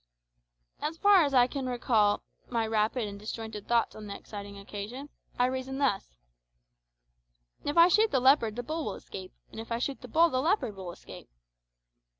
As far as I can recall my rapid and disjointed thoughts on that exciting occasion, I reasoned thus: "If I shoot the leopard the bull will escape, and if I shoot the bull the leopard will escape."